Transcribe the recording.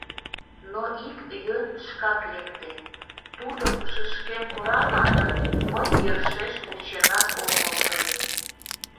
Но ик йӧн шкак лекте, тудо ушышкем пура манын, мый йӧршеш вученат омыл ыле.